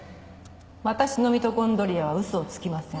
私のミトコンドリアは嘘をつきません。